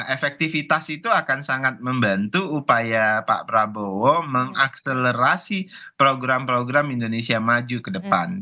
efektivitas itu akan sangat membantu upaya pak prabowo mengakselerasi program program indonesia maju ke depan